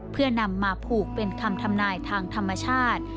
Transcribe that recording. เพื่อนำมาผูกเป็นคำทำนายทางธรรมชาติ